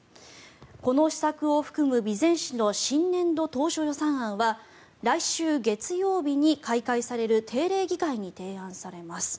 この施策を含む備前市の新年度当初予算案は来週月曜日に開会される定例議会に提案されます。